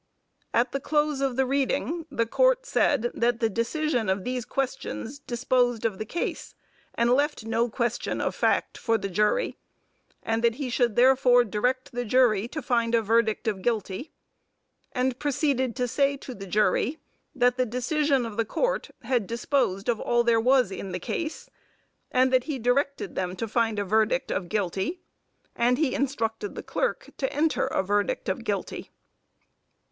At the close of the reading, the Court said that the decision of these questions disposed of the case and left no question of fact for the jury, and that he should therefore direct the jury to find a verdict of guilty, and proceeded to say to the jury that the decision of the Court had disposed of all there was in the case, and that he directed them to find a verdict of guilty, and he instructed the clerk to enter a verdict of guilty.